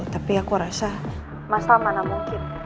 tapi aku rasa masa mana mungkin